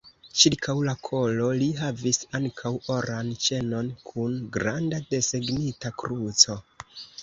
Ĉirkaŭ la kolo li havis ankaŭ oran ĉenon kun granda desegnita kruco.